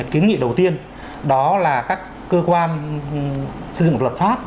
kiến nghị đầu tiên đó là các cơ quan xây dựng luật pháp